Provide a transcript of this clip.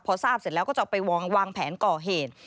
พอทราบเสร็จแล้วก็จะไปวางแผนก่อเหตุ